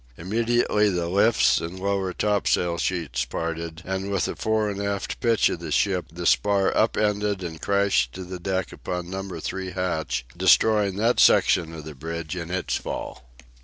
Immediately the lifts and lower topsail sheets parted, and with a fore and aft pitch of the ship the spar up ended and crashed to the deck upon Number Three hatch, destroying that section of the bridge in its fall.